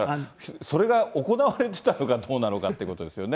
それが行われてたのかどうなのかってことですよね。